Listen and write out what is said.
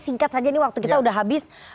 singkat saja nih waktu kita udah habis